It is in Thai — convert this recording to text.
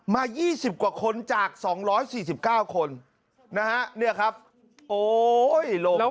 มา๒๐กว่าคนจาก๒๔๙คนนะฮะเนี่ยครับโอ้ยลงแล้ว